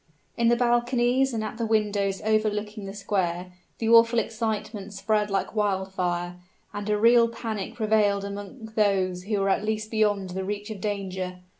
In the balconies and at the windows overlooking the square, the awful excitement spread like wild fire, and a real panic prevailed among those who were at least beyond the reach of danger.